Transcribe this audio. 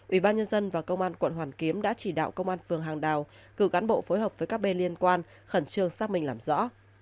ủy ban nhân dân và công an quận hoàn kiếm đã chỉ đạo công an phường hàng đào cử cán bộ phối hợp với các bên liên quan khẩn trương xác minh làm rõ